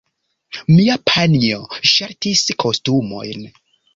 Mia panjo ŝatis kostumojn.